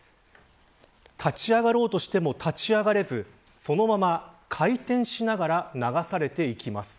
立ち上がろうとしても立ち上がれずそのまま回転しながら流されていきます。